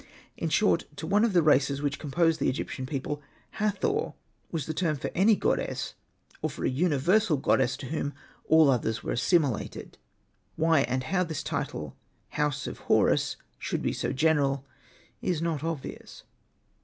In short, to one of the races which composed the Egyptian people Hathor was the term for any goddess, or for a universal goddess to whom all others were assimilated. Why and how this title '' house of Horus " should be so general is not obvious.